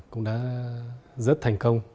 cũng đã rất thành công